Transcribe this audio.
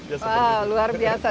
wah luar biasa